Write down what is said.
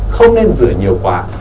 không nên rửa nhiều quá